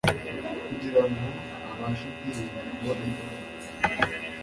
kugira ngo abashe kurinda ukubonera kwe